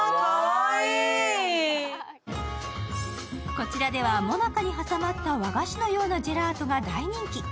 こちらでは最中に挟まった和菓子のようなジェラートが大人気。